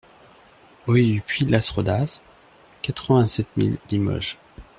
Rue du Puy Las Rodas, quatre-vingt-sept mille Limoges